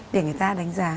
để người ta đánh giá